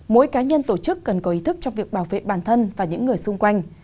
mỗi cá nhân tổ chức cần có ý thức trong việc bảo vệ bản thân và những người xung quanh